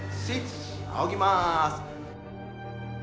あおぎます。